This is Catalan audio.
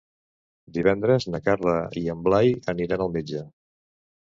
Divendres na Carla i en Blai aniran al metge.